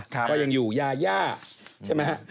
ก็ยังอยู่ยาย่าใช่ไหมฮะ